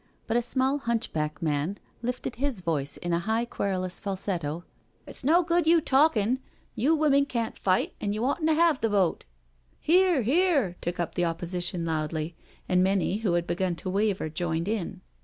But a small hunchback man lifted his voice in a high querulous falsetto :It's no good you talkin* — you women can't fight and you oughtn't to have the vote." "Hear, heart" took up the opposition loudly, and many who had begtm to waver joined in.